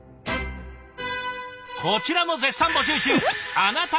こちらも絶賛募集中